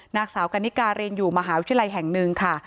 นางสาวกันนิกาเรียนอยู่มหาวิทยาลัยแห่งหนึ่งค่ะ